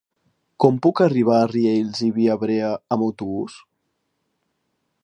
Com puc arribar a Riells i Viabrea amb autobús?